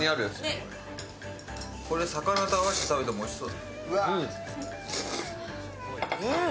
これ魚と合わせて食べてもおいしそう。